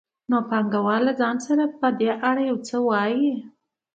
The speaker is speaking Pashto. نو پانګوال له ځان سره په دې اړه یو څه وايي